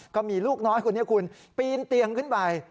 ก็มีลูกน้อยคนนี้คุณปีนเตียงขึ้นไป